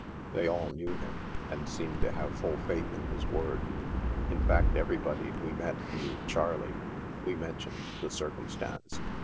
They all knew him, and seemed to have full faith in his word. In fact everybody we met knew " Charley." We mentioned the cir cumstance.